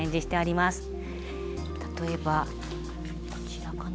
例えばこちらかな。